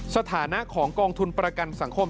สถานะของกองทุนประกันสังคม